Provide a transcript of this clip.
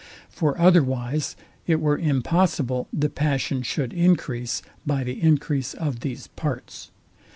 For otherwise it were impossible the passion should encrease by the encrease of these parts.